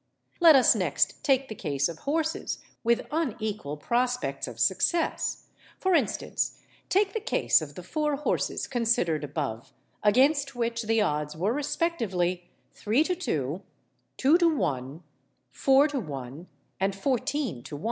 Let us next take the case of horses with unequal prospects of success—for instance, take the case of the four horses considered above, against which the odds were respectively 3 to 2, 2 to 1, 4 to 1, and 14 to 1.